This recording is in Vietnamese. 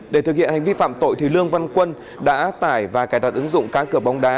để thực hiện hành vi phạm tội lương văn quân đã tải và cài đặt ứng dụng cá cửa bóng đá